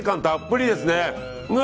たっぷりですね。